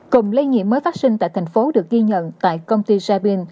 cùng lây nhiễm mới phát sinh tại thành phố được ghi nhận tại công ty saibien